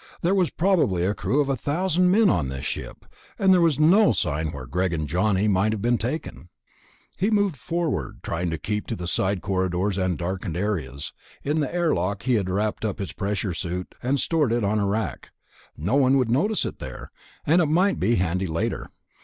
There was probably a crew of a thousand men on this ship ... and there was no sign where Greg and Johnny might have been taken. He moved forward, trying to keep to side corridors and darkened areas. In the airlock he had wrapped up his pressure suit and stored it on a rack; no one would notice it there, and it might be handy later.